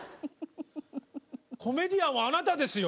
コメディアンはあなたですよ。